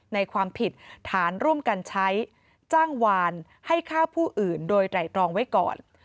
ความผิดฐานร่วมกันใช้จ้างวานให้ฆ่าผู้อื่นโดยไตรตรองไว้ก่อน